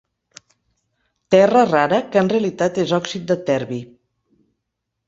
Terra rara, que en realitat és òxid de terbi.